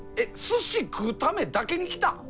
すし食うためだけに来たん！？